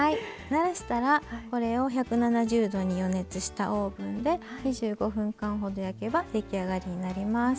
ならしたらこれを１７０℃に予熱したオーブンで２５分間ほど焼けば出来上がりになります。